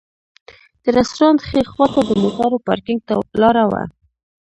د رسټورانټ ښي خواته د موټرو پارکېنګ ته لاره وه.